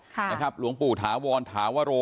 หลวงปู่ถาวรถาวโร